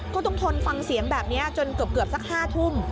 ก็ต้องทนฟังเสียงแบบนี้จนเกือบสัก๕ทุ่ม